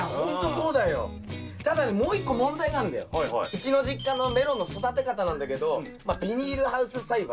うちの実家のメロンの育て方なんだけどビニールハウス栽培。